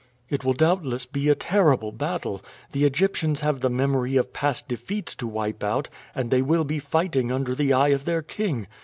"It will doubtless be a terrible battle. The Egyptians have the memory of past defeats to wipe out, and they will be fighting under the eye of their king.